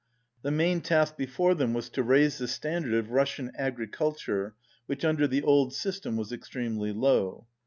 The main task before them was to raise the standard of Russian agriculture, which under the old system was extremely low.